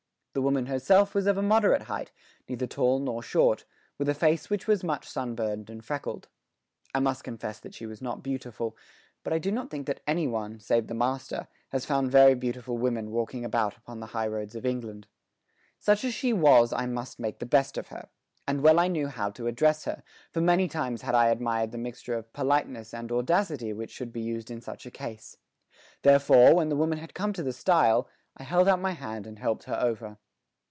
The woman herself was of a moderate height, neither tall nor short, with a face which was much sunburned and freckled. I must confess that she was not beautiful, but I do not think that anyone, save the master, has found very beautiful women walking about upon the high roads of England. Such as she was I must make the best of her, and well I knew how to address her, for many times had I admired the mixture of politeness and audacity which should be used in such a case. Therefore, when the woman had come to the stile, I held out my hand and helped her over.